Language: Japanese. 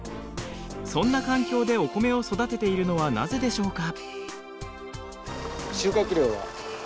そんな環境でお米を育てているのはなぜでしょうか。